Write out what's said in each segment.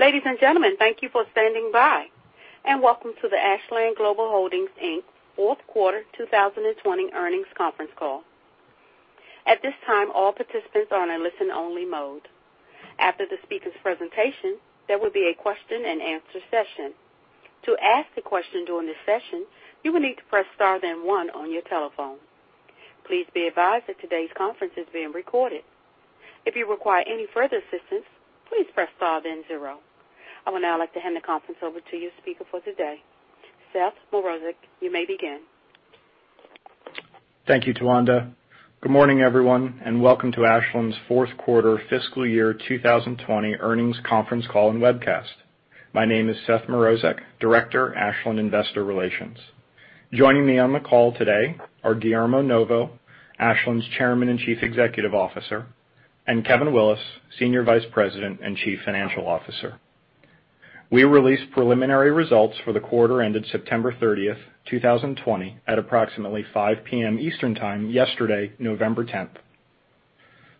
Ladies and gentlemen, thank you for standing by, and welcome to the Ashland Global Holdings Inc. Fourth Quarter 2020 Earnings Conference Call. At this time, all participants are on a listen-only mode. After the speakers' presentation, there will be a question and answer session. To ask a question during the session, you will need to press star then one on your telephone. Please be advised that today's conference is being recorded. If you require any further assistance, please press star then zero. I would now like to hand the conference over to your speaker for today, Seth Mrozek. You may begin. Thank you, Tawanda. Good morning, everyone, and welcome to Ashland's Fourth Quarter Fiscal Year 2020 Earnings Conference Call and Webcast. My name is Seth Mrozek, Director, Ashland Investor Relations. Joining me on the call today are Guillermo Novo, Ashland's Chairman and Chief Executive Officer, and Kevin Willis, Senior Vice President and Chief Financial Officer. We released preliminary results for the quarter ended September 30th, 2020, at approximately 5:00 P.M. Eastern Time yesterday, November 10th.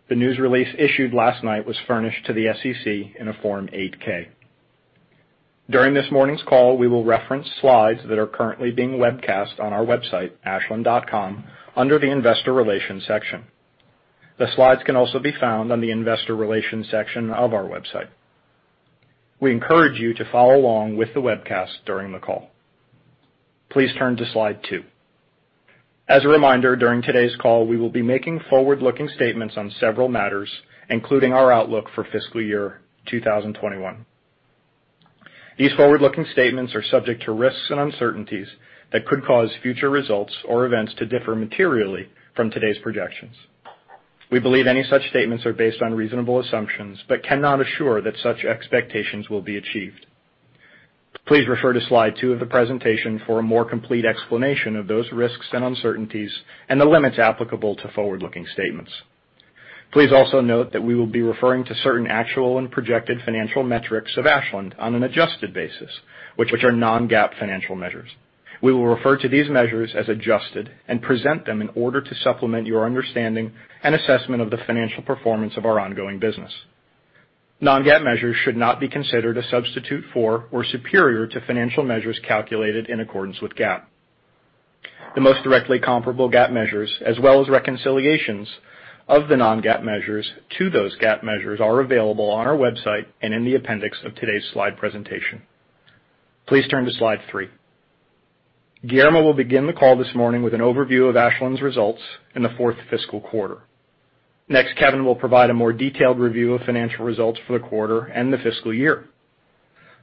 The news release issued last night was furnished to the SEC in a Form 8-K. During this morning's call, we will reference slides that are currently being webcast on our website, ashland.com, under the investor relations section. The slides can also be found on the investor relations section of our website. We encourage you to follow along with the webcast during the call. Please turn to Slide two. As a reminder, during today's call, we will be making forward-looking statements on several matters, including our outlook for fiscal year 2021. These forward-looking statements are subject to risks and uncertainties that could cause future results or events to differ materially from today's projections. We believe any such statements are based on reasonable assumptions but cannot assure that such expectations will be achieved. Please refer to Slide two of the presentation for a more complete explanation of those risks and uncertainties and the limits applicable to forward-looking statements. Please also note that we will be referring to certain actual and projected financial metrics of Ashland on an adjusted basis, which are non-GAAP financial measures. We will refer to these measures as adjusted and present them in order to supplement your understanding and assessment of the financial performance of our ongoing business. Non-GAAP measures should not be considered a substitute for or superior to financial measures calculated in accordance with GAAP. The most directly comparable GAAP measures, as well as reconciliations of the non-GAAP measures to those GAAP measures, are available on our website and in the appendix of today's slide presentation. Please turn to Slide three. Guillermo will begin the call this morning with an overview of Ashland's results in the fourth fiscal quarter. Next, Kevin will provide a more detailed review of financial results for the quarter and the fiscal year.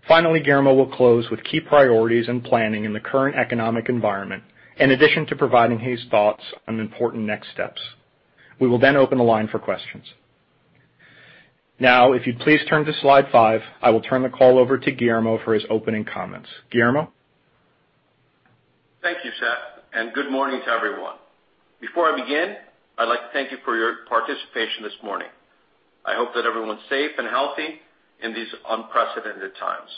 Finally, Guillermo will close with key priorities and planning in the current economic environment, in addition to providing his thoughts on important next steps. We will then open the line for questions. Now, if you'd please turn to Slide five, I will turn the call over to Guillermo for his opening comments. Guillermo? Thank you, Seth, and good morning to everyone. Before I begin, I'd like to thank you for your participation this morning. I hope that everyone's safe and healthy in these unprecedented times.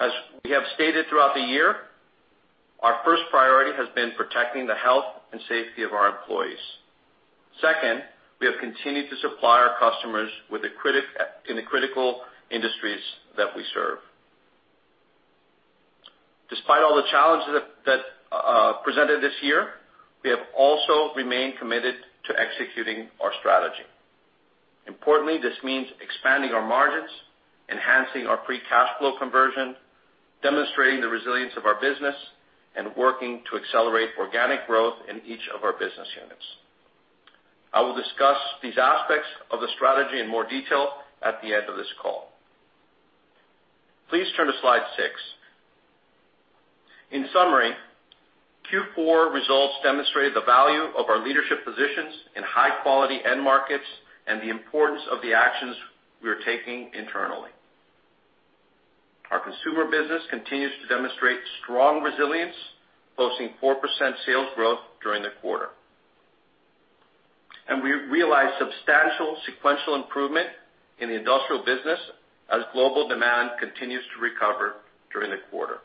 As we have stated throughout the year, our first priority has been protecting the health and safety of our employees. Second, we have continued to supply our customers in the critical industries that we serve. Despite all the challenges that presented this year, we have also remained committed to executing our strategy. Importantly, this means expanding our margins, enhancing our free cash flow conversion, demonstrating the resilience of our business and working to accelerate organic growth in each of our business units. I will discuss these aspects of the strategy in more detail at the end of this call. Please turn to Slide 6. In summary, Q4 results demonstrated the value of our leadership positions in high-quality end markets and the importance of the actions we are taking internally. Our Consumer Specialties continues to demonstrate strong resilience, posting 4% sales growth during the quarter. We realized substantial sequential improvement in the Industrial Specialties as global demand continues to recover during the quarter.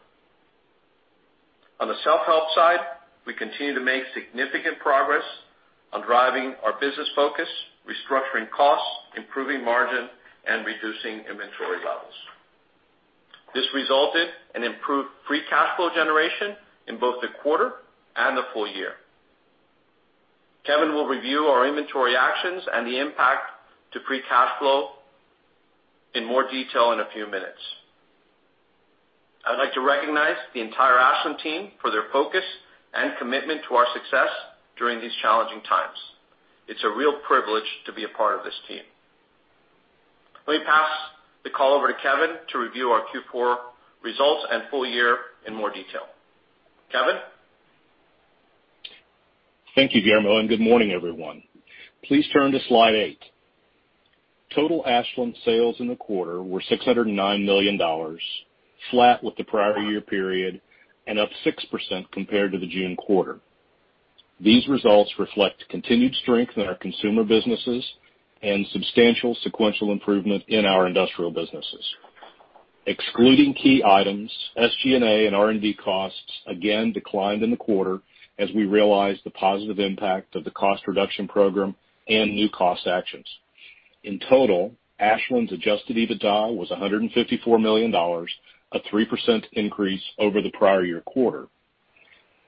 On the self-help side, we continue to make significant progress on driving our business focus, restructuring costs, improving margin, and reducing inventory levels. This resulted in improved free cash flow generation in both the quarter and the full year. Kevin will review our inventory actions and the impact to free cash flow in more detail in a few minutes. I would like to recognize the entire Ashland team for their focus and commitment to our success during these challenging times. It's a real privilege to be a part of this team. Let me pass the call over to Kevin to review our Q4 results and full year in more detail. Kevin? Thank you, Guillermo. Good morning, everyone. Please turn to Slide eight. Total Ashland sales in the quarter were $609 million, flat with the prior-year period and up 6% compared to the June quarter. These results reflect continued strength in our consumer businesses and substantial sequential improvement in our industrial businesses. Excluding key items, SG&A and R&D costs again declined in the quarter as we realized the positive impact of the cost reduction program and new cost actions. In total, Ashland's adjusted EBITDA was $154 million, a 3% increase over the prior-year quarter,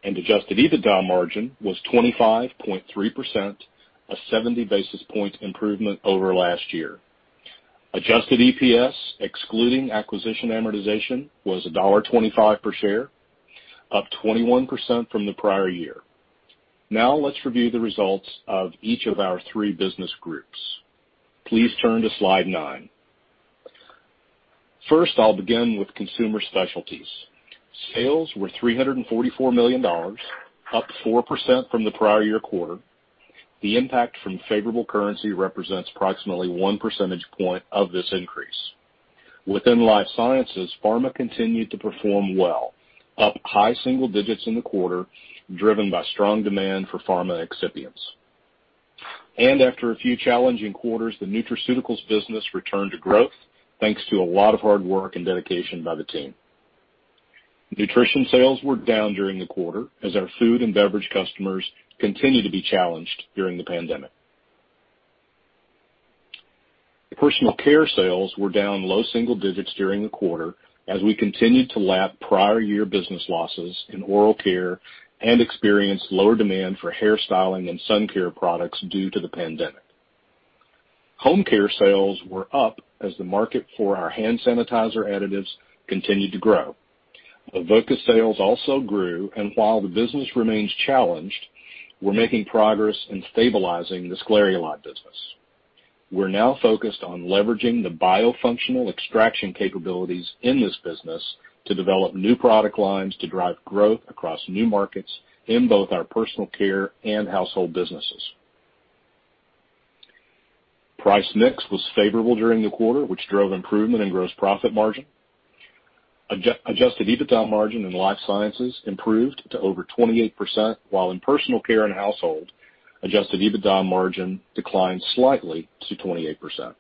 and adjusted EBITDA margin was 25.3%, a 70-basis-point improvement over last year. Adjusted EPS, excluding acquisition amortization, was $1.25 per share, up 21% from the prior-year. Let's review the results of each of our three business groups. Please turn to Slide nine. First, I'll begin with Consumer Specialties. Sales were $344 million, up 4% from the prior year quarter. The impact from favorable currency represents approximately one percentage point of this increase. Within Life Sciences, pharma continued to perform well, up high single digits in the quarter, driven by strong demand for pharma excipients. After a few challenging quarters, the nutraceuticals business returned to growth, thanks to a lot of hard work and dedication by the team. Nutrition sales were down during the quarter as our food and beverage customers continue to be challenged during the Pandemic. Personal Care sales were down low single digits during the quarter as we continued to lap prior year business losses in oral care and experienced lower demand for hair styling and sun care products due to the Pandemic. Home care sales were up as the market for our hand sanitizer additives continued to grow. Avoca sales also grew, and while the business remains challenged, we're making progress in stabilizing the sclareolide business. We're now focused on leveraging the biofunctional extraction capabilities in this business to develop new product lines to drive growth across new markets in both our Personal Care and Household businesses. Price mix was favorable during the quarter, which drove improvement in gross profit margin. Adjusted EBITDA margin in Life Sciences improved to over 28%, while in Personal Care and Household, adjusted EBITDA margin declined slightly to 28%.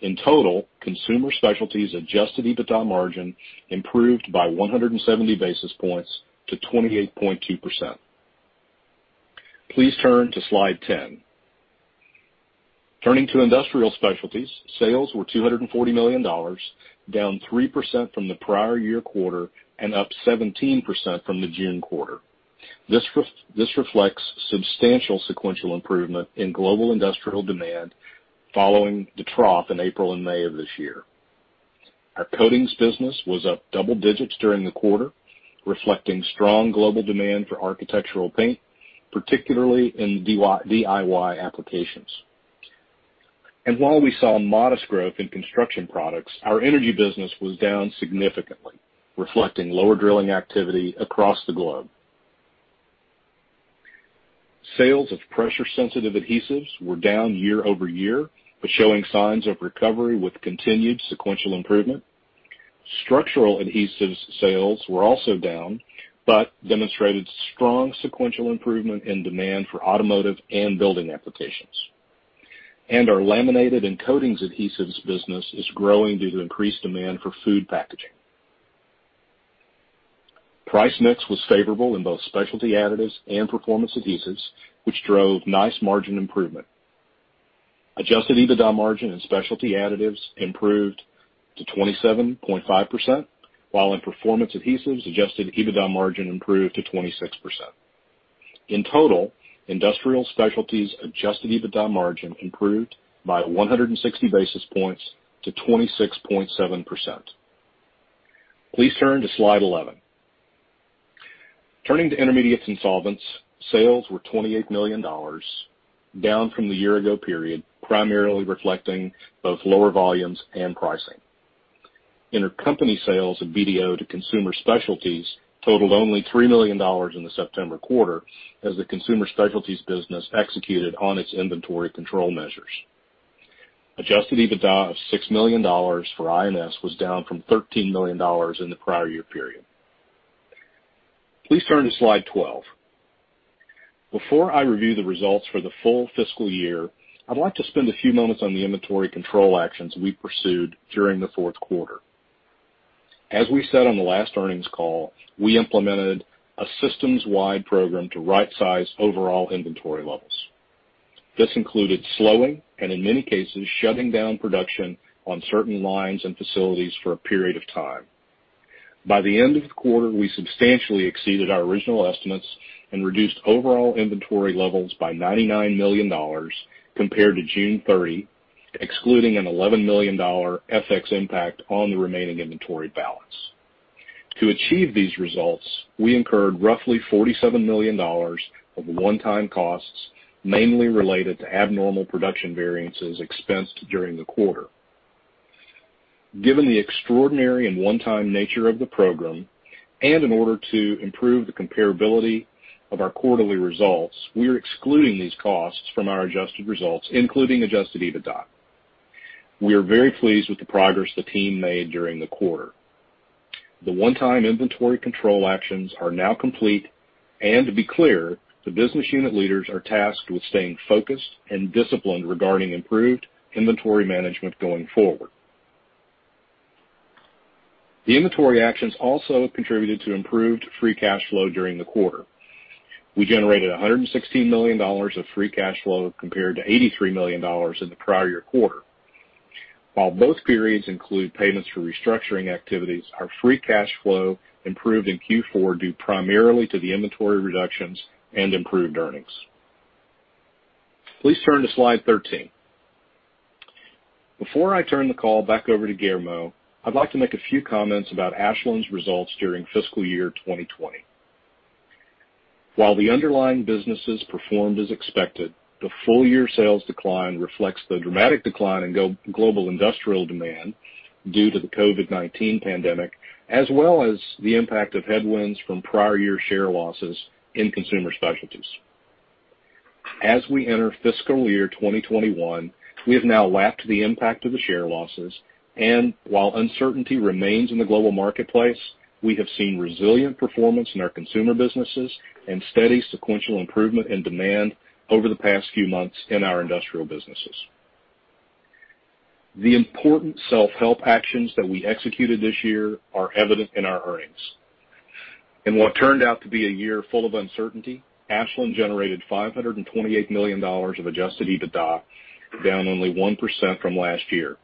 In total, Consumer Specialties adjusted EBITDA margin improved by 170 basis points to 28.2%. Please turn to Slide 10. Turning to Industrial Specialties, sales were $240 million, down 3% from the prior year quarter and up 17% from the June quarter. This reflects substantial sequential improvement in global industrial demand following the trough in April and May of this year. Our coatings business was up double digits during the quarter, reflecting strong global demand for architectural paint, particularly in DIY applications. While we saw modest growth in construction products, our energy business was down significantly, reflecting lower drilling activity across the globe. Sales of pressure-sensitive adhesives were down year-over-year, but showing signs of recovery with continued sequential improvement. Structural adhesives sales were also down, but demonstrated strong sequential improvement in demand for automotive and building applications. Our laminated and coatings adhesives business is growing due to increased demand for food packaging. Price mix was favorable in both Specialty Additives and Performance Adhesives, which drove nice margin improvement. Adjusted EBITDA margin in Specialty Additives improved to 27.5%, while in Performance Adhesives, adjusted EBITDA margin improved to 26%. In total, Industrial Specialties adjusted EBITDA margin improved by 160 basis points to 26.7%. Please turn to Slide 11. Turning to Intermediates and Solvents, sales were $28 million, down from the year-ago period, primarily reflecting both lower volumes and pricing. Intercompany sales of BDO to Consumer Specialties totaled only $3 million in the September quarter as the Consumer Specialties business executed on its inventory control measures. Adjusted EBITDA of $6 million for I&S was down from $13 million in the prior year period. Please turn to Slide 12. Before I review the results for the full fiscal year, I'd like to spend a few moments on the inventory control actions we pursued during the fourth quarter. As we said on the last earnings call, we implemented a systems-wide program to right size overall inventory levels. This included slowing, and in many cases, shutting down production on certain lines and facilities for a period of time. By the end of the quarter, we substantially exceeded our original estimates and reduced overall inventory levels by $99 million compared to June 30, excluding an $11 million FX impact on the remaining inventory balance. To achieve these results, we incurred roughly $47 million of one-time costs, mainly related to abnormal production variances expensed during the quarter. Given the extraordinary and one-time nature of the program, and in order to improve the comparability of our quarterly results, we are excluding these costs from our adjusted results, including adjusted EBITDA. We are very pleased with the progress the team made during the quarter. The one-time inventory control actions are now complete, and to be clear, the business unit leaders are tasked with staying focused and disciplined regarding improved inventory management going forward. The inventory actions also contributed to improved free cash flow during the quarter. We generated $116 million of free cash flow compared to $83 million in the prior year quarter. While both periods include payments for restructuring activities, our free cash flow improved in Q4 due primarily to the inventory reductions and improved earnings. Please turn to slide 13. Before I turn the call back over to Guillermo, I'd like to make a few comments about Ashland's results during fiscal year 2020. While the underlying businesses performed as expected, the full year sales decline reflects the dramatic decline in global industrial demand due to the COVID-19 pandemic, as well as the impact of headwinds from prior year share losses in Consumer Specialties. As we enter fiscal year 2021, we have now lapped the impact of the share losses, and while uncertainty remains in the global marketplace, we have seen resilient performance in our Consumer Specialties and steady sequential improvement in demand over the past few months in our Industrial Specialties. The important self-help actions that we executed this year are evident in our earnings. In what turned out to be a year full of uncertainty, Ashland generated $528 million of adjusted EBITDA, down only 1% from last year.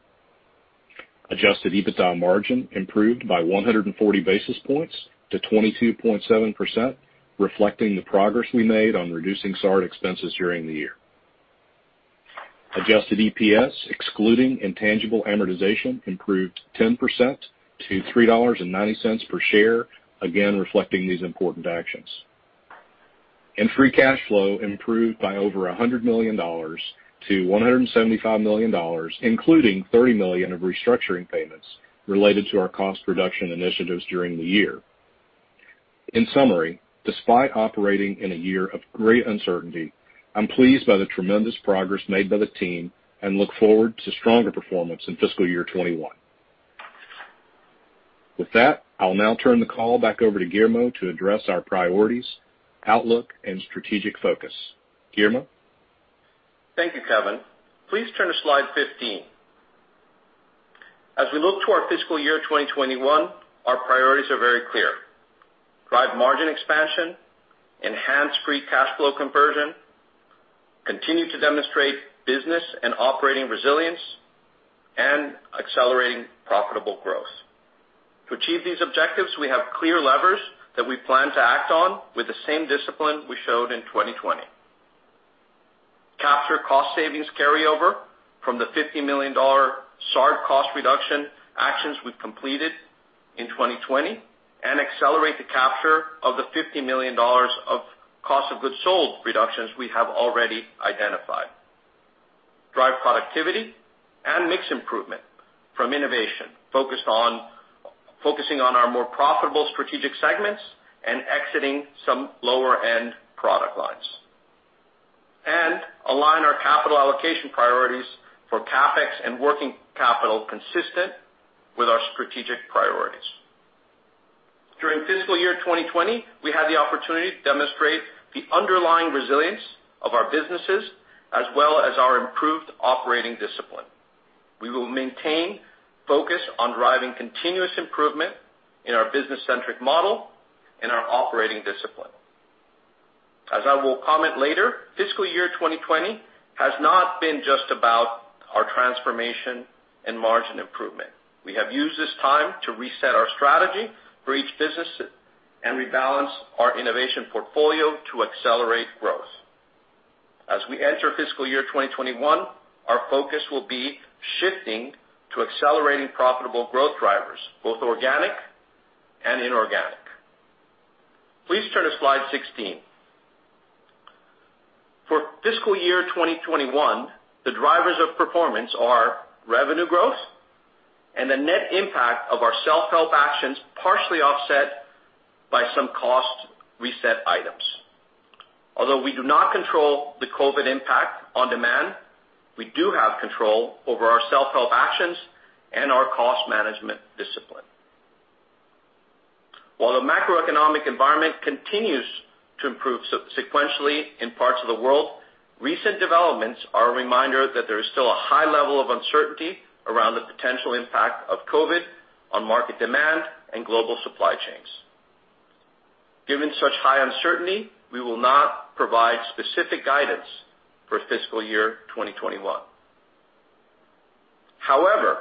Adjusted EBITDA margin improved by 140 basis points to 22.7%, reflecting the progress we made on reducing SAR expenses during the year. Adjusted EPS, excluding intangible amortization, improved 10% to $3.90 per share, again, reflecting these important actions. Free cash flow improved by over $100 million-$175 million, including $30 million of restructuring payments related to our cost reduction initiatives during the year. In summary, despite operating in a year of great uncertainty, I'm pleased by the tremendous progress made by the team and look forward to stronger performance in fiscal year 2021. With that, I'll now turn the call back over to Guillermo to address our priorities, outlook, and strategic focus. Guillermo? Thank you, Kevin. Please turn to slide 15. As we look to our fiscal year 2021, our priorities are very clear. Drive margin expansion, enhance free cash flow conversion, continue to demonstrate business and operating resilience, and accelerating profitable growth. To achieve these objectives, we have clear levers that we plan to act on with the same discipline we showed in 2020. Capture cost savings carryover from the $50 million SAR cost reduction actions we've completed in 2020, and accelerate the capture of the $50 million of cost of goods sold reductions we have already identified. Drive productivity and mix improvement from innovation, focusing on our more profitable strategic segments and exiting some lower-end product lines. Align our capital allocation priorities for CapEx and working capital consistent with our strategic priorities. During fiscal year 2020, we had the opportunity to demonstrate the underlying resilience of our businesses, as well as our improved operating discipline. We will maintain focus on driving continuous improvement in our business-centric model and our operating discipline. As I will comment later, fiscal year 2020 has not been just about our transformation and margin improvement. We have used this time to reset our strategy for each business and rebalance our innovation portfolio to accelerate growth. As we enter fiscal year 2021, our focus will be shifting to accelerating profitable growth drivers, both organic and inorganic. Please turn to slide 16. For fiscal year 2021, the drivers of performance are revenue growth and the net impact of our self-help actions, partially offset by some cost reset items. Although we do not control the COVID impact on demand, we do have control over our self-help actions and our cost management discipline. While the macroeconomic environment continues to improve sequentially in parts of the world, recent developments are a reminder that there is still a high level of uncertainty around the potential impact of COVID on market demand and global supply chains. Given such high uncertainty, we will not provide specific guidance for fiscal year 2021. However,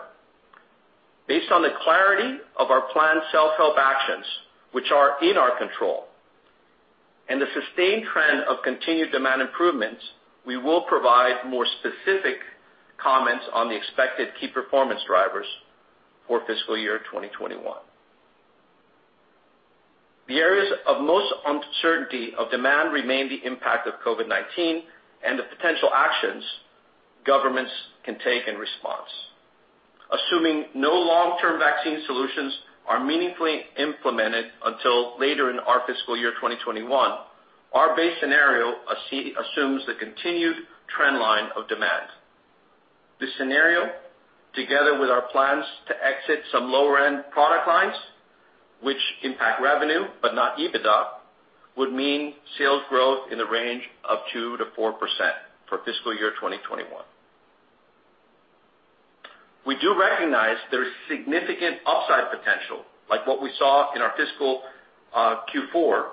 based on the clarity of our planned self-help actions, which are in our control, and the sustained trend of continued demand improvements, we will provide more specific comments on the expected key performance drivers for fiscal year 2021. The areas of most uncertainty of demand remain the impact of COVID-19 and the potential actions governments can take in response. Assuming no long-term vaccine solutions are meaningfully implemented until later in our fiscal year 2021, our base scenario assumes the continued trend line of demand scenario, together with our plans to exit some lower-end product lines, which impact revenue but not EBITDA, would mean sales growth in the range of 2%-4% for fiscal year 2021. We do recognize there is significant upside potential, like what we saw in our fiscal Q4,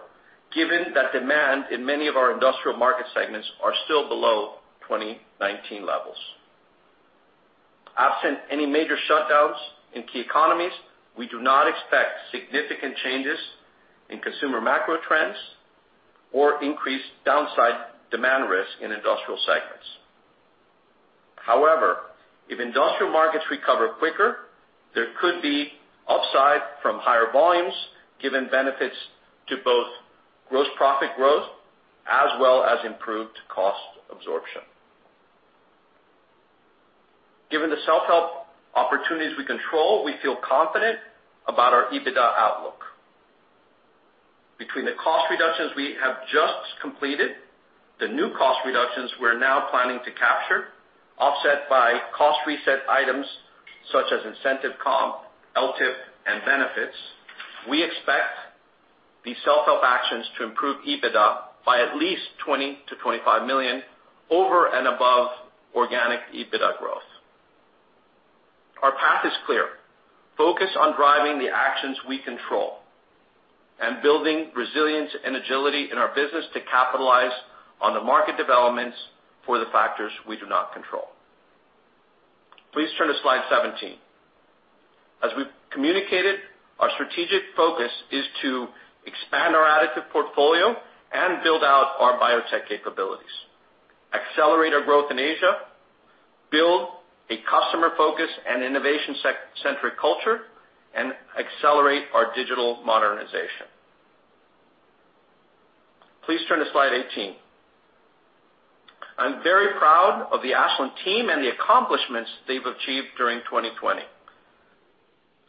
given that demand in many of our industrial market segments are still below 2019 levels. Absent any major shutdowns in key economies, we do not expect significant changes in consumer macro trends or increased downside demand risk in industrial segments. If industrial markets recover quicker, there could be upside from higher volumes, given benefits to both gross profit growth as well as improved cost absorption. Given the self-help opportunities we control, we feel confident about our EBITDA outlook. Between the cost reductions we have just completed, the new cost reductions we're now planning to capture, offset by cost reset items such as incentive comp, LTIP, and benefits, we expect these self-help actions to improve EBITDA by at least $20 million-$25 million over and above organic EBITDA growth. Our path is clear. Focus on driving the actions we control and building resilience and agility in our business to capitalize on the market developments for the factors we do not control. Please turn to slide 17. As we've communicated, our strategic focus is to expand our additive portfolio and build out our biotech capabilities, accelerate our growth in Asia, build a customer-focused and innovation-centric culture, and accelerate our digital modernization. Please turn to slide 18. I'm very proud of the Ashland team and the accomplishments they've achieved during 2020.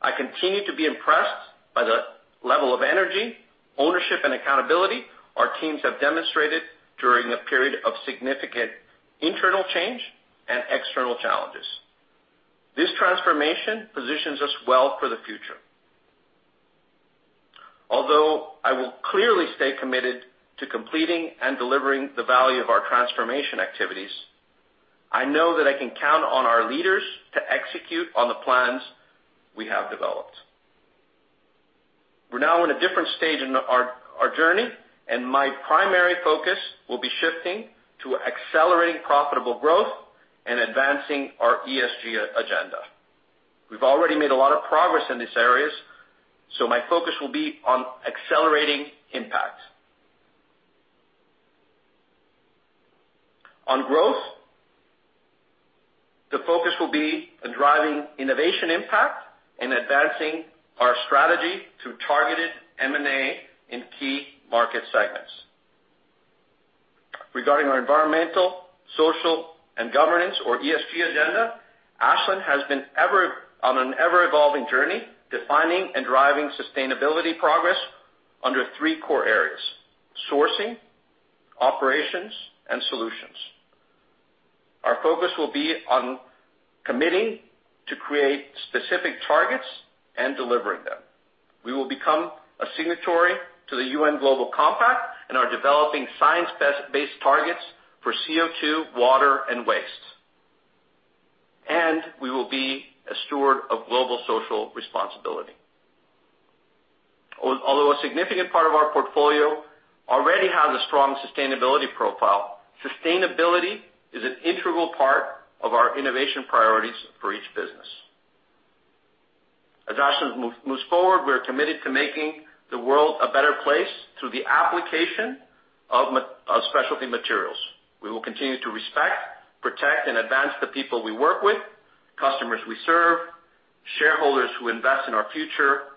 I continue to be impressed by the level of energy, ownership, and accountability our teams have demonstrated during a period of significant internal change and external challenges. This transformation positions us well for the future. Although I will clearly stay committed to completing and delivering the value of our transformation activities, I know that I can count on our leaders to execute on the plans we have developed. We're now in a different stage in our journey, and my primary focus will be shifting to accelerating profitable growth and advancing our ESG agenda. We've already made a lot of progress in these areas, so my focus will be on accelerating impact. On growth, the focus will be on driving innovation impact and advancing our strategy through targeted M&A in key market segments. Regarding our environmental, social, and governance or ESG agenda, Ashland has been on an ever-evolving journey, defining and driving sustainability progress under three core areas: sourcing, operations, and solutions. Our focus will be on committing to create specific targets and delivering them. We will become a signatory to the UN Global Compact and are developing science-based targets for CO2, water, and waste. We will be a steward of global social responsibility. Although a significant part of our portfolio already has a strong sustainability profile, sustainability is an integral part of our innovation priorities for each business. As Ashland moves forward, we are committed to making the world a better place through the application of specialty materials. We will continue to respect, protect, and advance the people we work with, customers we serve, shareholders who invest in our future,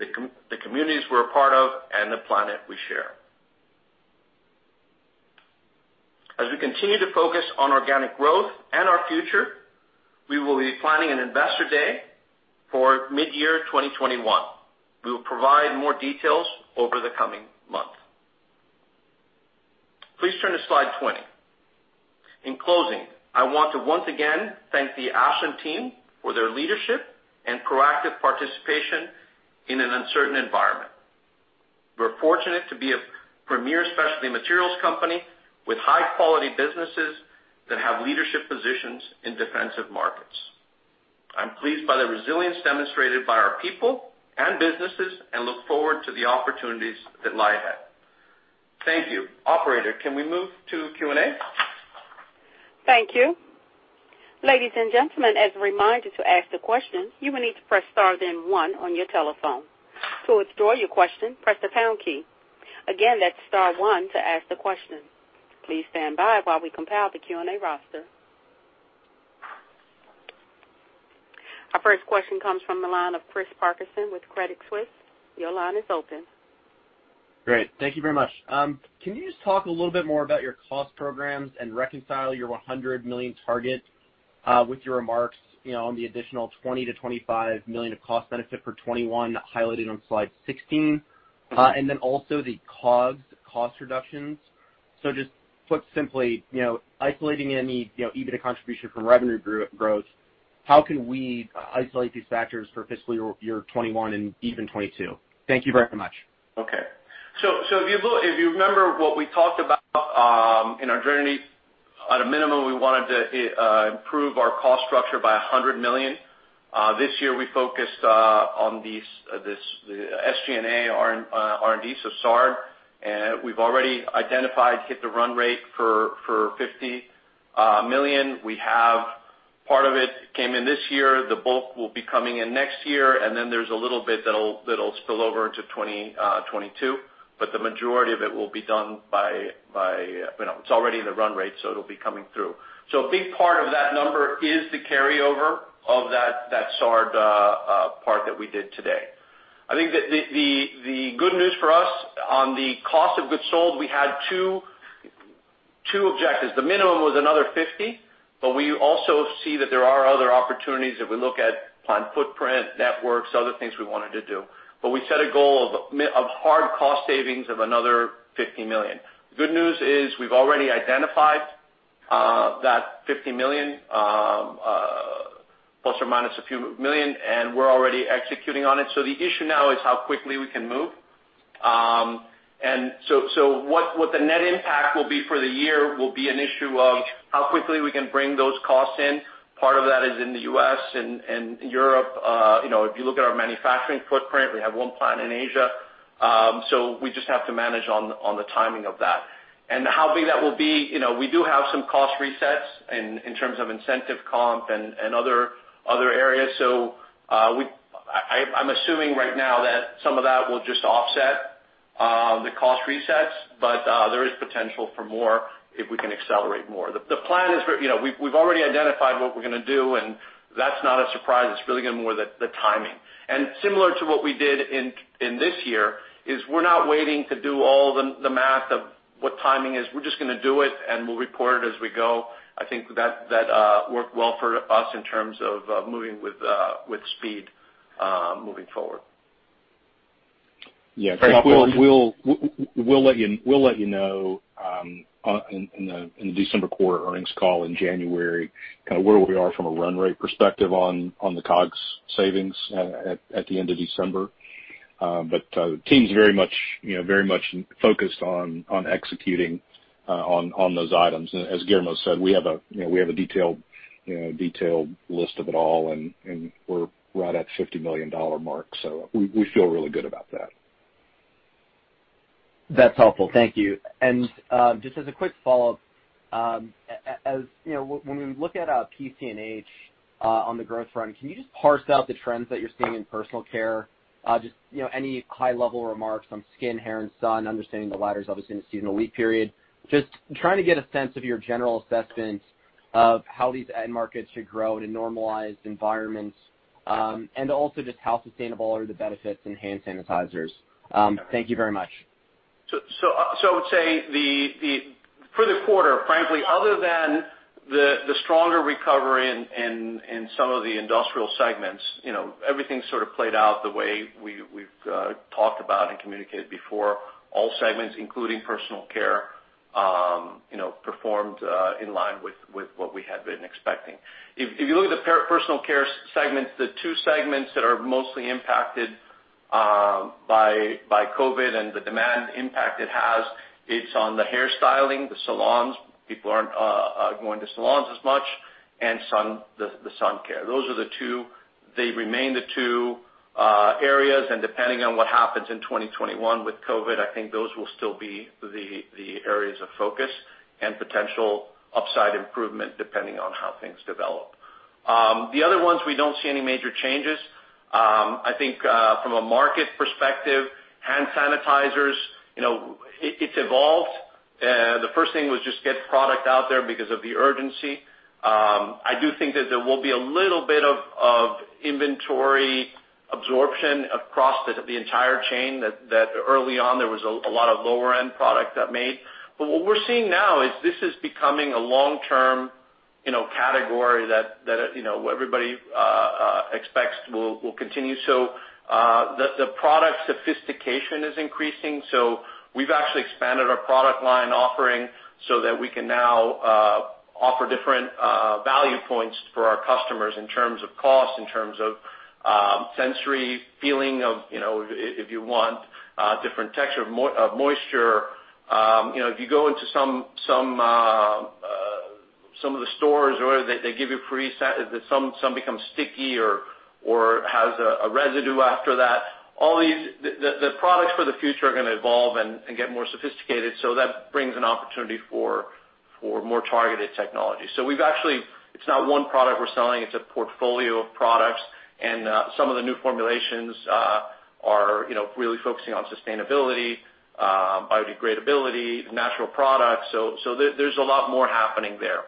the communities we're a part of, and the planet we share. As we continue to focus on organic growth and our future, we will be planning an investor day for mid-year 2021. We will provide more details over the coming month. Please turn to slide 20. In closing, I want to once again thank the Ashland team for their leadership and proactive participation in an uncertain environment. We're fortunate to be a premier specialty materials company with high-quality businesses that have leadership positions in defensive markets. I'm pleased by the resilience demonstrated by our people and businesses and look forward to the opportunities that lie ahead. Thank you. Operator, can we move to Q&A? Thank you. Ladies and gentlemen, as a reminder, to ask the question, you will need to press star then one on your telephone. To withdraw your question, press the pound key. Again, that's star one to ask the question. Please stand by while we compile the Q&A roster. Our first question comes from the line of Christopher Parkinson with Credit Suisse. Your line is open. Great. Thank you very much. Can you just talk a little bit more about your cost programs and reconcile your $100 million target, with your remarks on the additional $20 million-$25 million of cost benefit for 2021 highlighted on slide 16? Then also the COGS cost reductions. So just put simply, isolating any EBITDA contribution from revenue growth, how can we isolate these factors for fiscal year 2021 and even 2022? Thank you very much. Okay. If you remember what we talked about in our journey, at a minimum, we wanted to improve our cost structure by $100 million. This year, we focused on the SG&A R&D, so SAR. We've already identified, hit the run rate for $50 million. Part of it came in this year. The bulk will be coming in next year, there's a little bit that'll spill over into 2022. The majority of it will be done. It's already in the run rate, it'll be coming through. A big part of that number is the carryover of that SAR part that we did today. I think the good news for us on the cost of goods sold, we had two objectives. The minimum was another $50, but we also see that there are other opportunities if we look at plant footprint, networks, other things we wanted to do. We set a goal of hard cost savings of another $50 million. Good news is we've already identified that $50 million, plus or minus a few million, and we're already executing on it. The issue now is how quickly we can move. What the net impact will be for the year will be an issue of how quickly we can bring those costs in. Part of that is in the U.S. and Europe. If you look at our manufacturing footprint, we have one plant in Asia. We just have to manage on the timing of that. How big that will be, we do have some cost resets in terms of incentive comp and other areas. I'm assuming right now that some of that will just offset the cost resets, but there is potential for more if we can accelerate more. The plan is we've already identified what we're going to do, and that's not a surprise. It's really going to more the timing. Similar to what we did in this year, is we're not waiting to do all the math of what timing is. We're just going to do it, and we'll report it as we go. I think that that worked well for us in terms of moving with speed moving forward. Yeah. We'll let you know in the December quarter earnings call in January, kind of where we are from a run rate perspective on the COGS savings at the end of December. The team's very much focused on executing on those items. As Guillermo said, we have a detailed list of it all, and we're right at $50 million mark. We feel really good about that. That's helpful. Thank you. Just as a quick follow-up, when we look at PC and H on the growth front, can you just parse out the trends that you're seeing in Personal Care? Just any high-level remarks on skin, hair, and sun, understanding the latter is obviously in a seasonal weak period. Just trying to get a sense of your general assessment of how these end markets should grow in a normalized environment, also just how sustainable are the benefits in hand sanitizers. Thank you very much. I would say for the quarter, frankly, other than the stronger recovery in some of the Industrial segments, everything sort of played out the way we've talked about and communicated before. All segments, including Personal Care, performed in line with what we had been expecting. If you look at the Personal Care segments, the two segments that are mostly impacted by COVID-19 and the demand impact it has, it's on the hairstyling, the salons, people aren't going to salons as much, and the sun care. Those are the two. They remain the two areas, and depending on what happens in 2021 with COVID-19, I think those will still be the areas of focus and potential upside improvement, depending on how things develop. The other ones, we don't see any major changes. I think from a market perspective, hand sanitizers, it's evolved. The first thing was just get product out there because of the urgency. I do think that there will be a little bit of inventory absorption across the entire chain, that early on, there was a lot of lower-end product got made. What we're seeing now is this is becoming a long-term category that everybody expects will continue. The product sophistication is increasing. We've actually expanded our product line offering so that we can now offer different value points for our customers in terms of cost, in terms of sensory feeling of if you want different texture of moisture. If you go into some of the stores or whatever, they give you free samples, some become sticky or has a residue after that. The products for the future are going to evolve and get more sophisticated, so that brings an opportunity for more targeted technology. It's not one product we're selling, it's a portfolio of products, and some of the new formulations are really focusing on sustainability, biodegradability, natural products. There's a lot more happening there.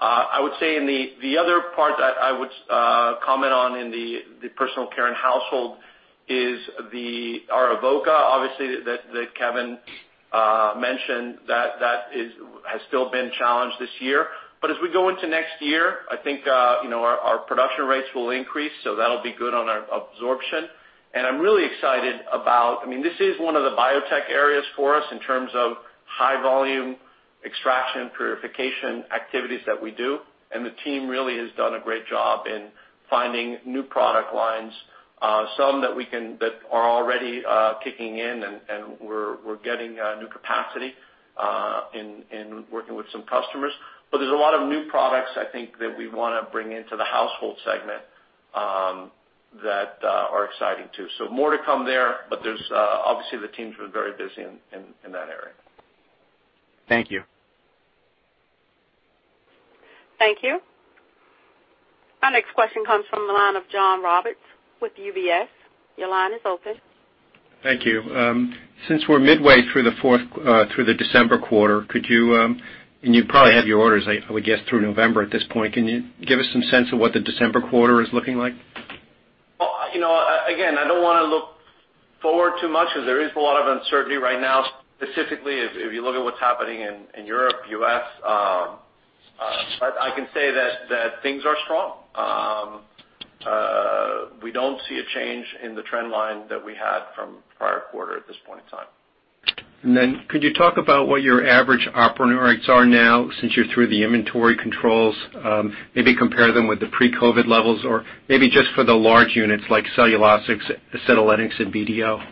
I would say in the other part that I would comment on in the Personal Care and Household is our Avoca. Obviously, Kevin mentioned that has still been challenged this year. As we go into next year, I think our production rates will increase, so that'll be good on our absorption. I'm really excited about. This is one of the biotech areas for us in terms of high volume extraction purification activities that we do, and the team really has done a great job in finding new product lines, some that are already kicking in, and we're getting new capacity in working with some customers. There's a lot of new products, I think, that we want to bring into the household segment that are exciting, too. More to come there, but obviously the team's been very busy in that area. Thank you. Thank you. Our next question comes from the line of John Roberts with UBS. Your line is open. Thank you. Since we're midway through the December quarter, and you probably have your orders, I would guess, through November at this point, can you give us some sense of what the December quarter is looking like? I don't want to look forward too much as there is a lot of uncertainty right now, specifically if you look at what's happening in Europe, U.S. I can say that things are strong. We don't see a change in the trend line that we had from the prior quarter at this point in time. Could you talk about what your average operating rates are now, since you're through the inventory controls? Maybe compare them with the pre-COVID levels or maybe just for the large units like Cellulosics, acetylenics, and BDO.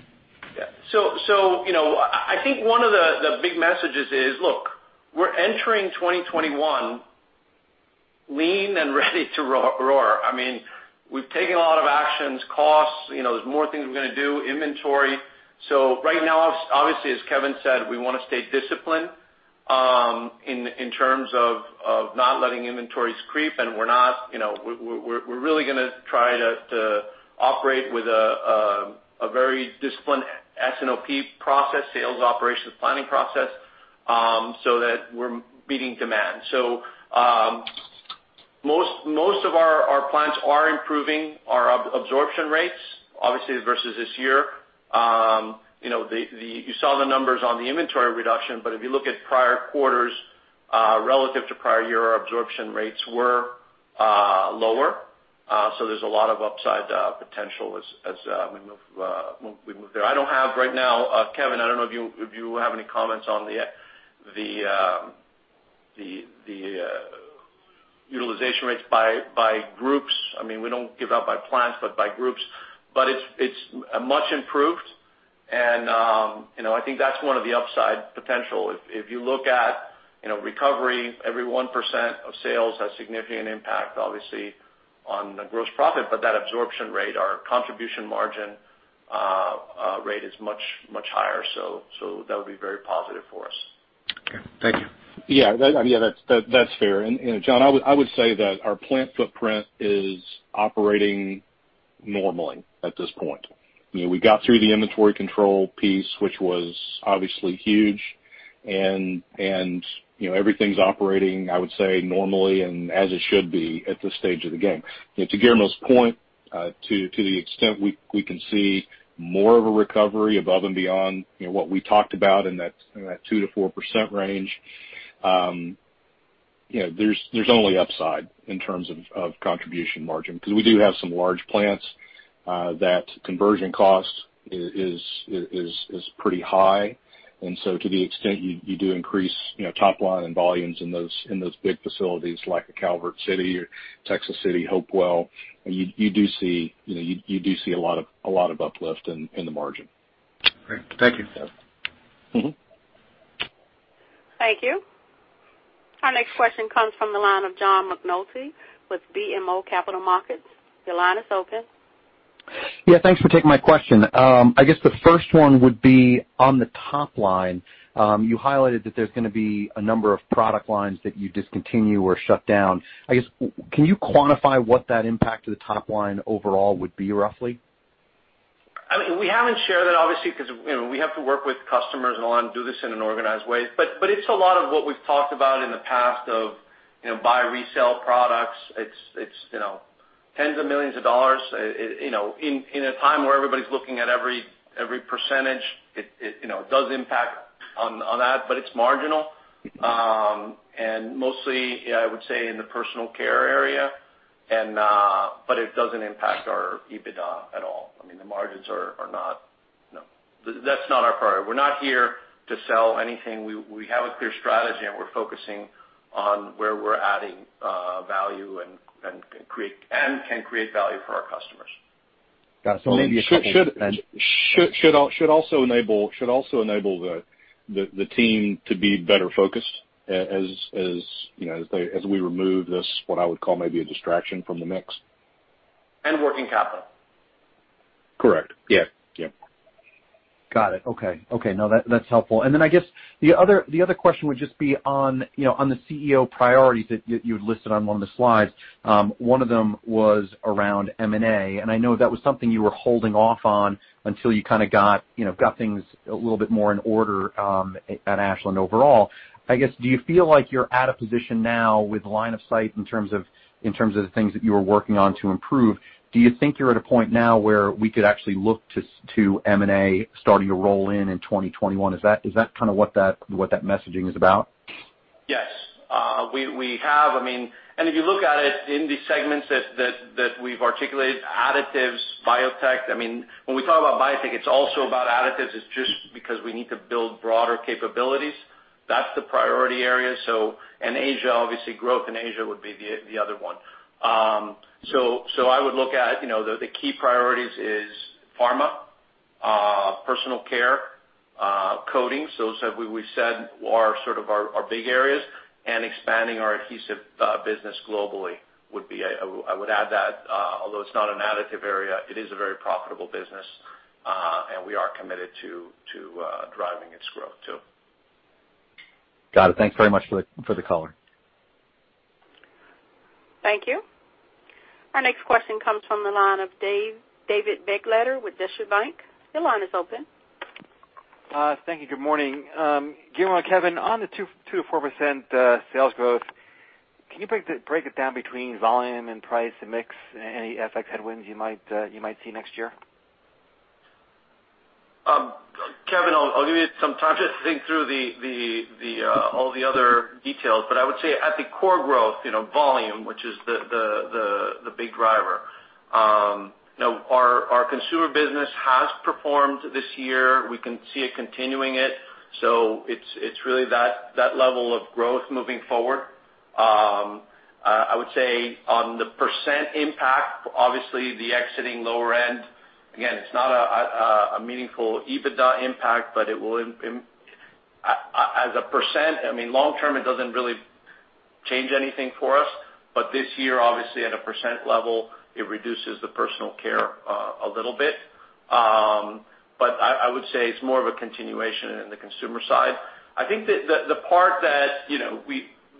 Yeah. I think one of the big messages is, look, we're entering 2021 lean and ready to roar. We've taken a lot of actions, costs, there's more things we're going to do, inventory. Right now, obviously, as Kevin said, we want to stay disciplined in terms of not letting inventories creep, and we're really going to try to operate with a very disciplined S&OP process, sales operations planning process, so that we're meeting demand. Most of our plants are improving our absorption rates, obviously, versus this year. You saw the numbers on the inventory reduction, but if you look at prior quarters relative to prior year, our absorption rates were lower. There's a lot of upside potential as we move there. I don't have right now. Kevin, I don't know if you have any comments on the utilization rates by groups. We don't give out by plants, but by groups, but it's much improved, and I think that's one of the upside potential. If you look at recovery, every 1% of sales has significant impact, obviously, on the gross profit, but that absorption rate, our contribution margin rate is much, much higher. That would be very positive for us. Okay. Thank you. That's fair. John, I would say that our plant footprint is operating normally at this point. We got through the inventory control piece, which was obviously huge, and everything's operating, I would say, normally and as it should be at this stage of the game. To Guillermo's point, to the extent we can see more of a recovery above and beyond what we talked about in that 2%-4% range, there's only upside in terms of contribution margin, because we do have some large plants that conversion cost is pretty high. To the extent you do increase top line and volumes in those big facilities like a Calvert City or Texas City, Hopewell, you do see a lot of uplift in the margin. Great. Thank you. Thank you. Our next question comes from the line of John McNulty with BMO Capital Markets. Your line is open. Yeah, thanks for taking my question. I guess the first one would be on the top line. You highlighted that there's going to be a number of product lines that you discontinue or shut down. I guess, can you quantify what that impact to the top line overall would be roughly? We haven't shared that obviously, because we have to work with customers and do this in an organized way. It's a lot of what we've talked about in the past of buy resale products. It's tens of millions of dollars. In a time where everybody's looking at every percentage, it does impact on that, but it's marginal. Mostly, I would say in the personal care area, but it doesn't impact our EBITDA at all. The margins are not. No. That's not our priority. We're not here to sell anything. We have a clear strategy, and we're focusing on where we're adding value and can create value for our customers. Got it. Should also enable the team to be better focused as we remove this, what I would call maybe a distraction from the mix. Working capital. Correct. Yeah. Yeah. Got it. Okay. No, that's helpful. I guess the other question would just be on the CEO priorities that you had listed on one of the slides. One of them was around M&A, and I know that was something you were holding off on until you got things a little bit more in order at Ashland overall. I guess, do you feel like you're at a position now with line of sight in terms of the things that you are working on to improve? Do you think you're at a point now where we could actually look to M&A starting to roll in in 2021? Is that what that messaging is about? Yes. If you look at it in the segments that we've articulated, Additives, biotech. When we talk about biotech, it's also about additives, it's just because we need to build broader capabilities. That's the priority area. Asia, obviously, growth in Asia would be the other one. I would look at the key priorities is pharma, personal care, coatings, those that we said are sort of our big areas, and expanding our adhesive business globally. I would add that. Although it's not an additive area, it is a very profitable business, and we are committed to driving its growth, too. Got it. Thanks very much for the color. Thank you. Our next question comes from the line of David Begleiter with Deutsche Bank. Your line is open. Thank you. Good morning. Guillermo, Kevin, on the 2%-4% sales growth, can you break it down between volume and price and mix, any FX headwinds you might see next year? Kevin, I'll give you some time just to think through all the other details. I would say at the core growth volume, which is the big driver. Our Consumer Specialties has performed this year. We can see it continuing it. It's really that level of growth moving forward. I would say on the percent impact, obviously the exiting lower end, again, it's not a meaningful EBITDA impact, but as a percent, long term, it doesn't really change anything for us. This year, obviously at a percent level, it reduces the Personal Care and Household a little bit. I would say it's more of a continuation in the Consumer Specialties side. I think that the part that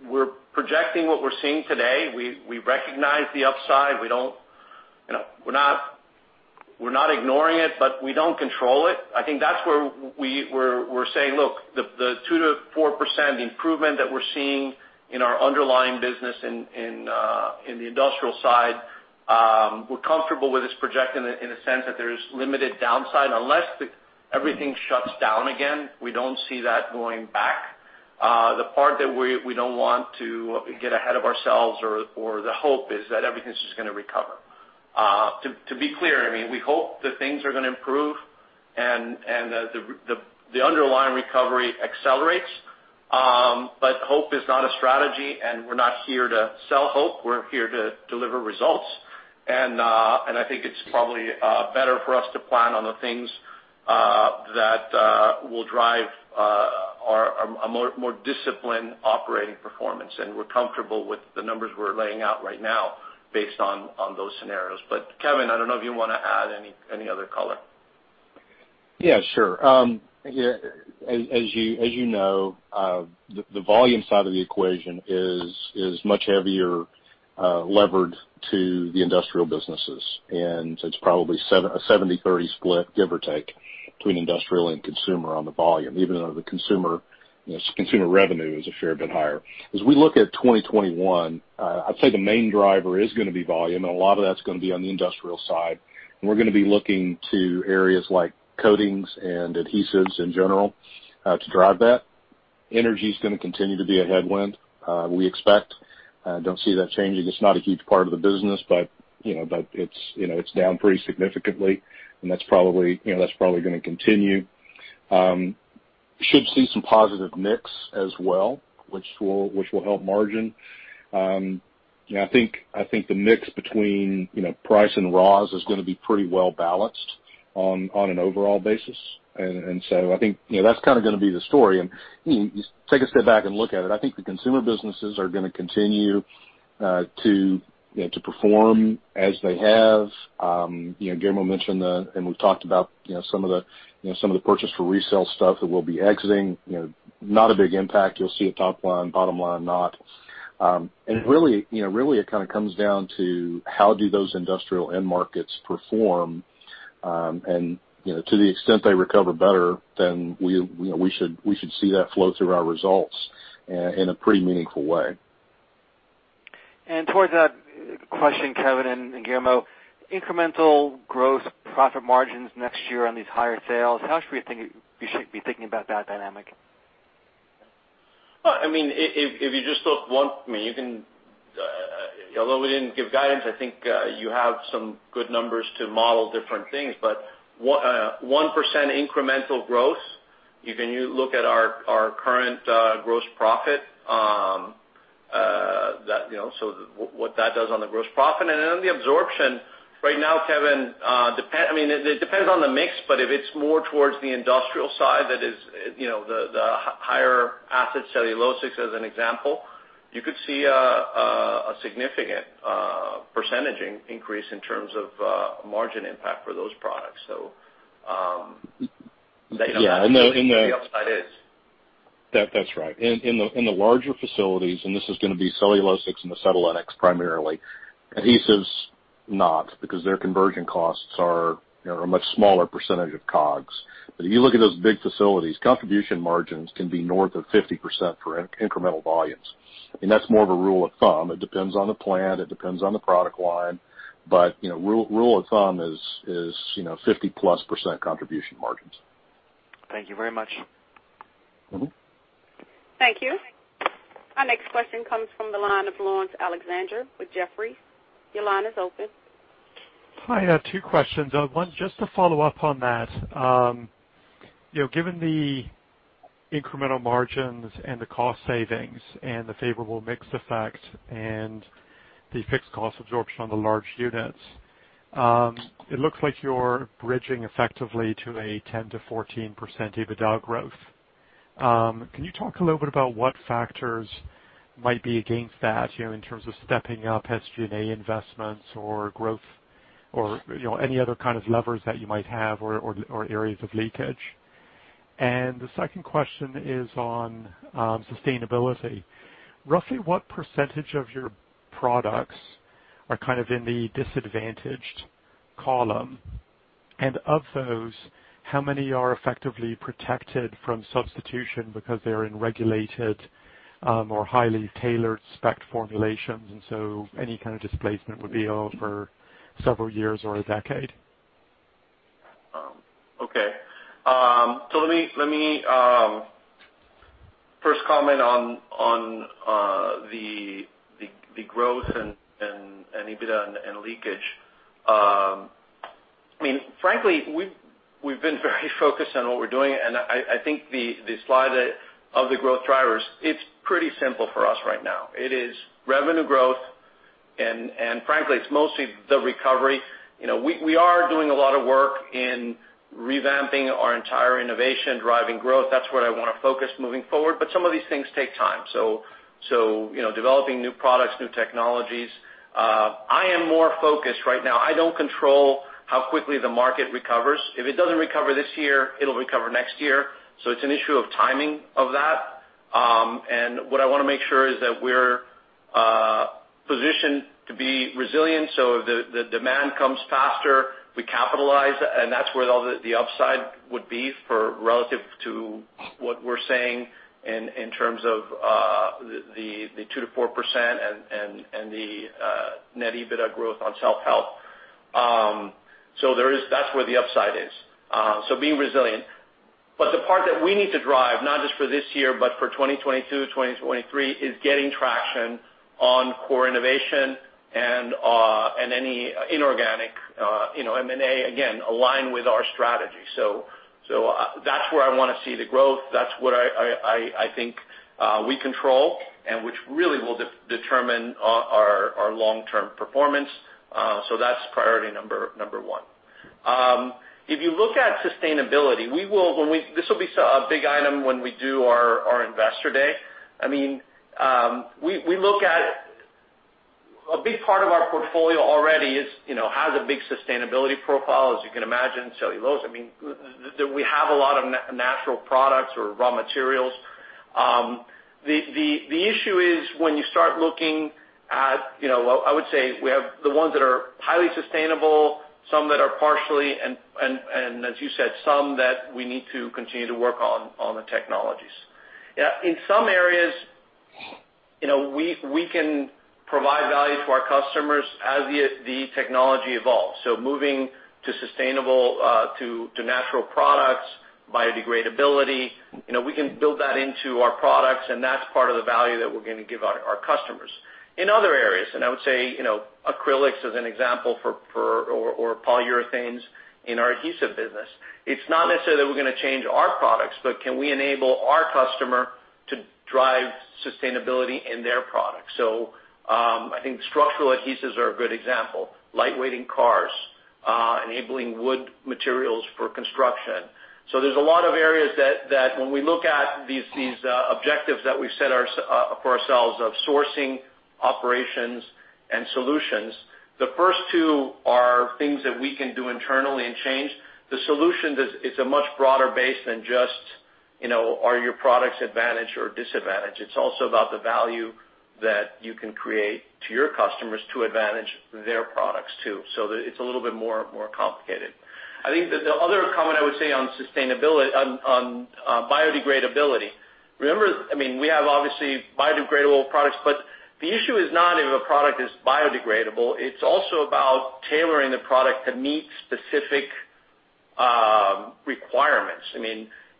we're projecting what we're seeing today, we recognize the upside. We're not ignoring it, but we don't control it. I think that's where we're saying, look, the 2%-4% improvement that we're seeing in our underlying business in the industrial side, we're comfortable with this projection in the sense that there's limited downside. Unless everything shuts down again, we don't see that going back. The part that we don't want to get ahead of ourselves or the hope is that everything's just going to recover. To be clear, we hope that things are going to improve and that the underlying recovery accelerates. Hope is not a strategy, and we're not here to sell hope. We're here to deliver results. I think it's probably better for us to plan on the things that will drive a more disciplined operating performance. We're comfortable with the numbers we're laying out right now based on those scenarios. Kevin, I don't know if you want to add any other color? Yeah, sure. As you know, the volume side of the equation is much heavier levered to the industrial businesses, and it's probably a 70/30 split, give or take, between industrial and consumer on the volume, even though the consumer revenue is a fair bit higher. As we look at 2021, I'd say the main driver is going to be volume, and a lot of that's going to be on the industrial side. We're going to be looking to areas like coatings and adhesives in general to drive that. Energy is going to continue to be a headwind. We expect, don't see that changing. It's not a huge part of the business, but it's down pretty significantly and that's probably going to continue. Should see some positive mix as well, which will help margin. I think the mix between price and raws is going to be pretty well balanced on an overall basis. I think that's kind of going to be the story. You take a step back and look at it, I think the consumer businesses are going to continue to perform as they have. Guillermo mentioned and we've talked about some of the purchase for resale stuff that we'll be exiting. Not a big impact you'll see at top line, bottom line, not. Really it kind of comes down to how do those industrial end markets perform. To the extent they recover better, then we should see that flow through our results in a pretty meaningful way. Towards that question, Kevin and Guillermo, incremental gross profit margins next year on these higher sales, how should we be thinking about that dynamic? If you just look, although we didn't give guidance, I think you have some good numbers to model different things. 1% incremental growth, you can look at our current gross profit, so what that does on the gross profit. The absorption right now, Kevin, it depends on the mix, but if it's more towards the industrial side, that is the higher asset Cellulosics as an example, you could see a significant percentage increase in terms of margin impact for those products. Yeah. The upside is. That's right. In the larger facilities, this is going to be Cellulosics and acetylenics primarily. Adhesives not, because their conversion costs are a much smaller percentage of COGS. If you look at those big facilities, contribution margins can be north of 50% for incremental volumes. That's more of a rule of thumb. It depends on the plant, it depends on the product line. Rule of thumb is 50%+ contribution margins. Thank you very much. Thank you. Our next question comes from the line of Laurence Alexander with Jefferies. Your line is open. Hi. I have two questions. One, just to follow up on that. Given the incremental margins and the cost savings and the favorable mix effect and the fixed cost absorption on the large units, it looks like you're bridging effectively to a 10%-14% EBITDA growth. Can you talk a little bit about what factors might be against that in terms of stepping up SG&A investments or growth or any other kind of levers that you might have or areas of leakage? The second question is on sustainability. Roughly what percentage of your products are kind of in the disadvantaged column? Of those, how many are effectively protected from substitution because they're in regulated or highly tailored spec formulations, and so any kind of displacement would be over several years or a decade? Okay. Let me first comment on the growth and EBITDA and leakage. Frankly, we've been very focused on what we're doing, and I think the slide of the growth drivers, it's pretty simple for us right now. It is revenue growth, and frankly, it's mostly the recovery. We are doing a lot of work in revamping our entire innovation, driving growth. That's where I want to focus moving forward. Some of these things take time, so developing new products, new technologies. I am more focused right now. I don't control how quickly the market recovers. If it doesn't recover this year, it'll recover next year. It's an issue of timing of that. What I want to make sure is that we're positioned to be resilient. If the demand comes faster, we capitalize, and that's where all the upside would be for relative to what we're saying in terms of the 2%-4% and the net EBITDA growth on Cellulosics. That's where the upside is. The part that we need to drive, not just for this year but for 2022, 2023, is getting traction on core innovation and any inorganic M&A, again, aligned with our strategy. That's where I want to see the growth. That's what I think we control and which really will determine our long-term performance. That's priority number one. You look at sustainability, this will be a big item when we do our Investor Day. A big part of our portfolio already has a big sustainability profile. As you can imagine, cellulose, we have a lot of natural products or raw materials. The issue is when you start looking at, I would say we have the ones that are highly sustainable, some that are partially, and as you said, some that we need to continue to work on the technologies. In some areas, we can provide value to our customers as the technology evolves. Moving to sustainable to natural products, biodegradability, we can build that into our products, and that's part of the value that we're going to give our customers. In other areas, and I would say acrylics as an example or polyurethanes in our adhesive business, it's not necessarily that we're going to change our products, but can we enable our customer to drive sustainability in their products? I think structural adhesives are a good example. Light-weighting cars, enabling wood materials for construction. There's a lot of areas that when we look at these objectives that we've set for ourselves of sourcing, operations, and solutions, the first two are things that we can do internally and change. The solutions, it's a much broader base than just are your products advantage or disadvantage? It's also about the value that you can create to your customers to advantage their products, too. It's a little bit more complicated. I think that the other comment I would say on biodegradability. Remember, we have obviously biodegradable products, but the issue is not if a product is biodegradable. It's also about tailoring the product to meet specific requirements.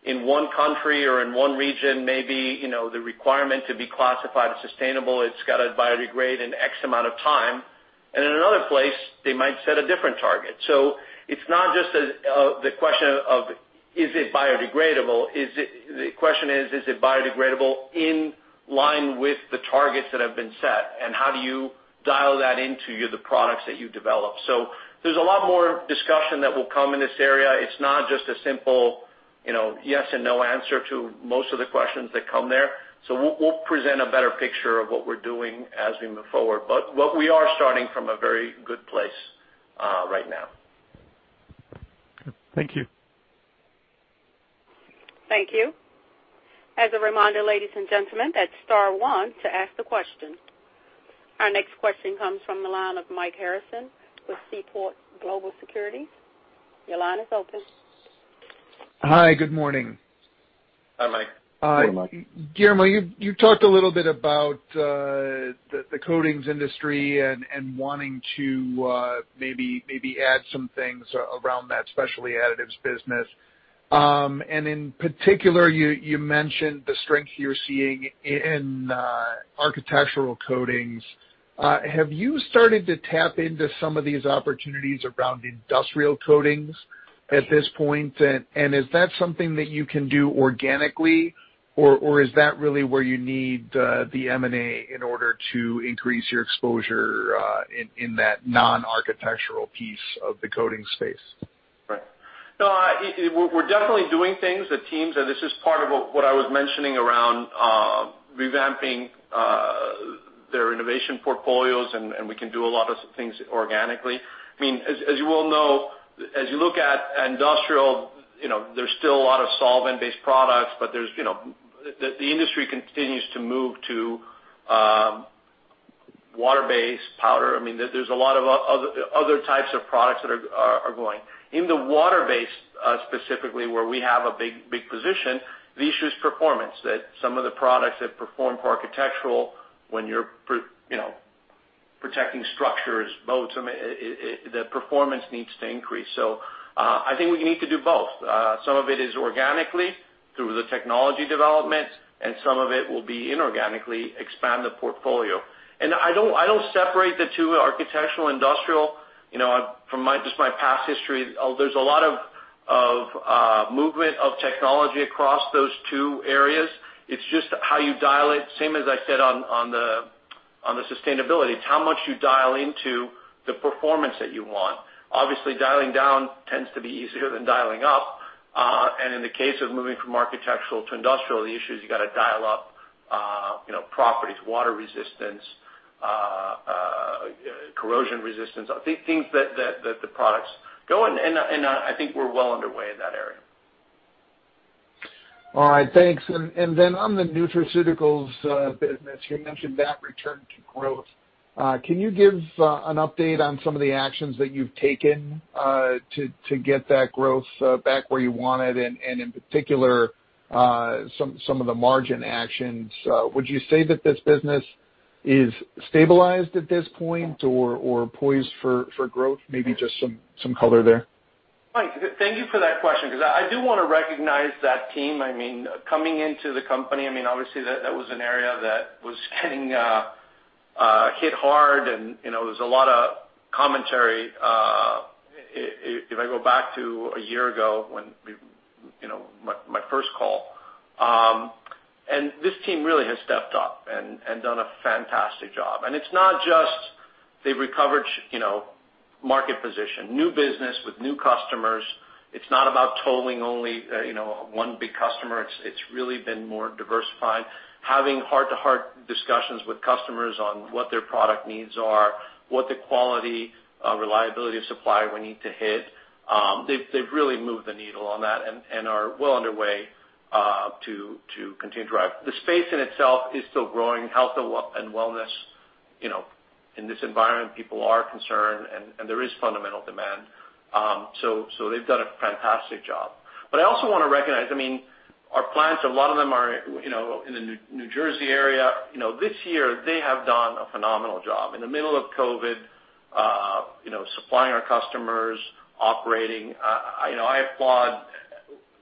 In one country or in one region, maybe the requirement to be classified as sustainable, it's got to biodegrade in X amount of time. In another place, they might set a different target. It's not just the question of is it biodegradable? The question is it biodegradable in line with the targets that have been set, and how do you dial that into the products that you develop? There's a lot more discussion that will come in this area. It's not just a simple yes and no answer to most of the questions that come there. We'll present a better picture of what we're doing as we move forward. We are starting from a very good place right now. Thank you. Thank you. As a reminder, ladies and gentlemen, that's star one to ask the question. Our next question comes from the line of Mike Harrison with Seaport Research Partners. Your line is open. Hi, good morning. Hi, Mike. Guillermo, you talked a little bit about the coatings industry and wanting to maybe add some things around that Specialty Additives business. In particular, you mentioned the strength you're seeing in architectural coatings. Have you started to tap into some of these opportunities around industrial coatings at this point? Is that something that you can do organically, or is that really where you need the M&A in order to increase your exposure in that non-architectural piece of the coating space? Right. No, we're definitely doing things. This is part of what I was mentioning around revamping their innovation portfolios, and we can do a lot of things organically. As you well know, as you look at Industrial Specialties, there's still a lot of solvent-based products, but the industry continues to move to water-based powder. There's a lot of other types of products that are going. In the water-based, specifically, where we have a big position, the issue is performance, that some of the products that perform for architectural when you're protecting structures, boats, the performance needs to increase. I think we need to do both. Some of it is organically through the technology development, and some of it will be inorganically expand the portfolio. I don't separate the two, architectural, industrial. From just my past history, there's a lot of movement of technology across those two areas. It's just how you dial it. Same as I said on the sustainability. It's how much you dial into the performance that you want. Obviously, dialing down tends to be easier than dialing up. In the case of moving from architectural to industrial, the issue is you gotta dial up properties, water resistance, corrosion resistance, things that the products go in, and I think we're well underway in that area. All right. Thanks. On the nutraceuticals business, you mentioned that return to growth. Can you give an update on some of the actions that you've taken to get that growth back where you want it and, in particular, some of the margin actions? Would you say that this business is stabilized at this point or poised for growth? Maybe just some color there. Mike, thank you for that question because I do want to recognize that team. Coming into the company, obviously, that was an area that was getting hit hard, and there was a lot of commentary, if I go back to a year ago, my first call. This team really has stepped up and done a fantastic job. It's not just they've recovered market position, new business with new customers. It's not about tolling only one big customer. It's really been more diversified, having heart-to-heart discussions with customers on what their product needs are, what the quality, reliability of supply we need to hit. They've really moved the needle on that and are well underway to continue to drive. The space in itself is still growing. Health and wellness, in this environment, people are concerned, and there is fundamental demand. They've done a fantastic job. I also want to recognize, our plants, a lot of them are in the New Jersey area. This year, they have done a phenomenal job in the middle of COVID, supplying our customers, operating. I applaud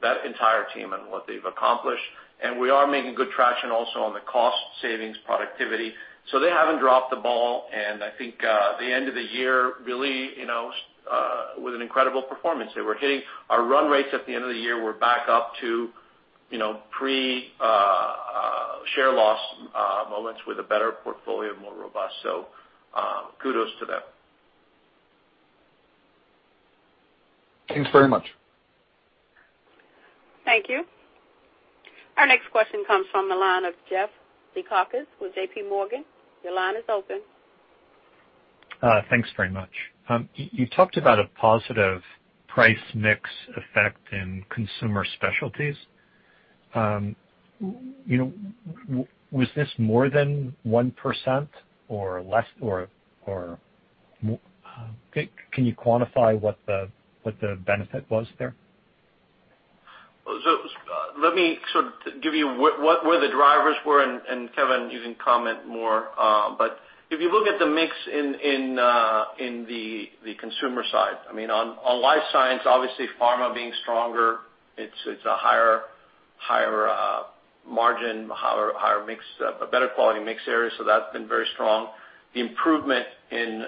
that entire team and what they've accomplished, and we are making good traction also on the cost savings productivity. They haven't dropped the ball, and I think the end of the year really was an incredible performance. Our run rates at the end of the year were back up to pre-share loss moments with a better portfolio, more robust. Kudos to them. Thanks very much. Thank you. Our next question comes from the line of Jeff Zekauskas with JPMorgan. Your line is open. Thanks very much. You talked about a positive price mix effect in Consumer Specialties. Was this more than 1% or less? Can you quantify what the benefit was there? Let me give you where the drivers were, and Kevin, you can comment more. If you look at the mix in the Consumer side, on Life Sciences, obviously pharma being stronger, it's a higher margin, a better quality mix area, so that's been very strong. The improvement in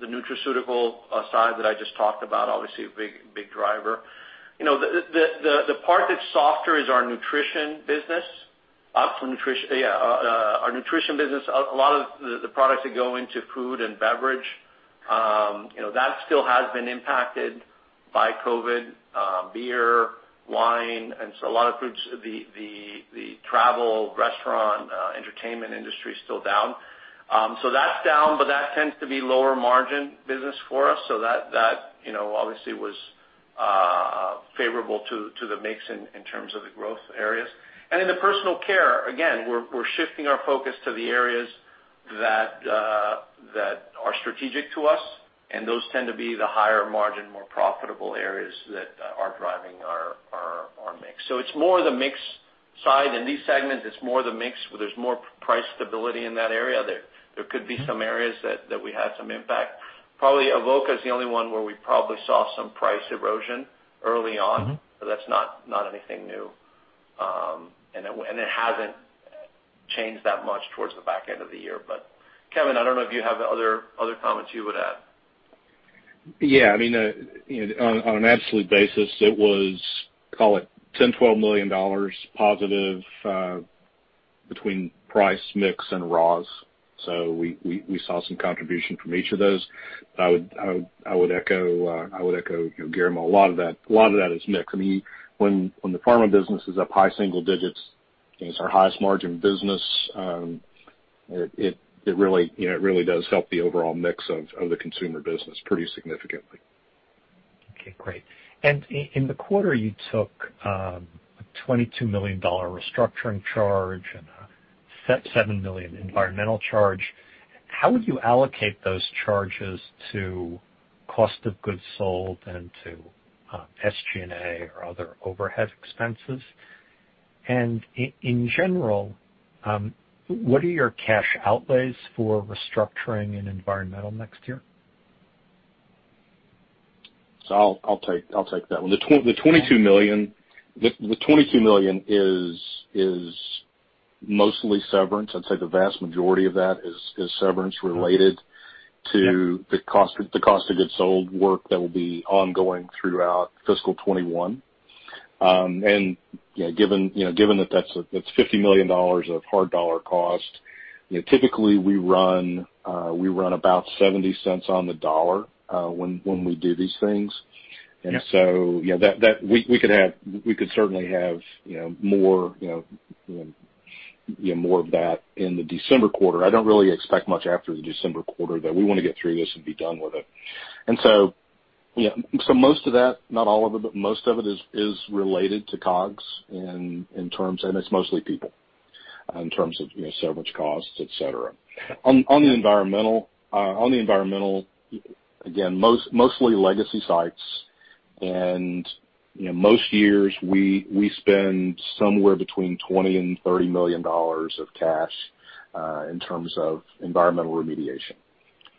the nutraceutical side that I just talked about, obviously a big driver. The part that's softer is our nutrition business. A lot of the products that go into food and beverage, that still has been impacted by COVID. Beer, wine, a lot of foods. The travel, restaurant, entertainment industry is still down. That's down, but that tends to be lower margin business for us. That obviously was favorable to the mix in terms of the growth areas. In the personal care, again, we're shifting our focus to the areas that are strategic to us, and those tend to be the higher margin, more profitable areas that are driving our mix. It's more the mix side. In these segments, it's more the mix where there's more price stability in that area. There could be some areas that we had some impact. Probably Avoca is the only one where we probably saw some price erosion early on. That's not anything new. It hasn't changed that much towards the back end of the year. Kevin, I don't know if you have other comments you would add. Yeah. On an absolute basis, it was, call it, $10 million, $12 million positive between price mix and raws. We saw some contribution from each of those. I would echo Guillermo. A lot of that is mix. When the pharma business is up high single digits, and it's our highest margin business, it really does help the overall mix of the consumer business pretty significantly. Okay, great. In the quarter, you took a $22 million restructuring charge and a $7 million environmental charge. How would you allocate those charges to cost of goods sold and to SG&A or other overhead expenses? In general, what are your cash outlays for restructuring and environmental next year? I'll take that one. The $22 million is mostly severance. I'd say the vast majority of that is severance related to the Cost of Goods Sold work that will be ongoing throughout fiscal 2021. Given that that's $50 million of hard dollar cost, typically we run about $0.70 on the dollar when we do these things. Yeah. We could certainly have more of that in the December quarter. I don't really expect much after the December quarter, that we want to get through this and be done with it. Most of that, not all of it, but most of it is related to COGS, and it's mostly people in terms of severance costs, et cetera. On the environmental, again, mostly legacy sites. Most years, we spend somewhere between $20 million and $30 million of cash in terms of environmental remediation.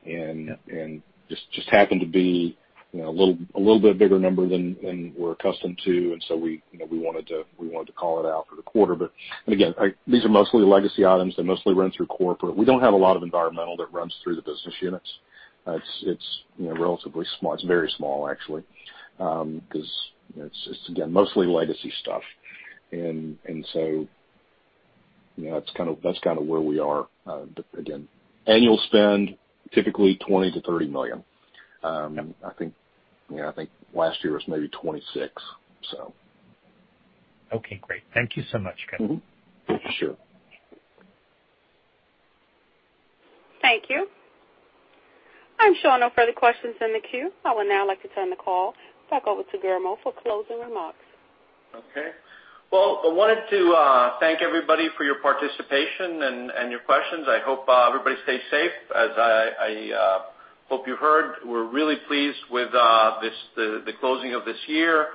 Yeah. Just happened to be a little bit bigger number than we're accustomed to, and so we wanted to call it out for the quarter. Again, these are mostly legacy items. They mostly run through corporate. We don't have a lot of environmental that runs through the business units. It's very small actually, because it's, again, mostly legacy stuff. That's kind of where we are. Again, annual spend, typically $20 million-$30 million. Yeah. I think last year was maybe 26. Okay, great. Thank you so much, Kevin. Mm-hmm. Sure. Thank you. I'm showing no further questions in the queue. I would now like to turn the call back over to Guillermo for closing remarks. Okay. Well, I wanted to thank everybody for your participation and your questions. I hope everybody stays safe. As I hope you heard, we're really pleased with the closing of this year.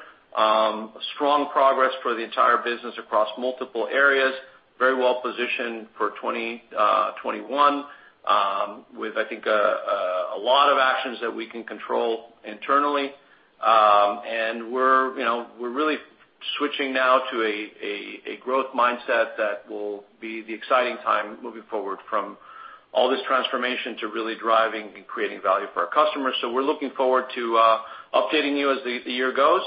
Strong progress for the entire business across multiple areas. Very well-positioned for 2021, with, I think, a lot of actions that we can control internally. We're really switching now to a growth mindset that will be the exciting time moving forward from all this transformation to really driving and creating value for our customers. We're looking forward to updating you as the year goes.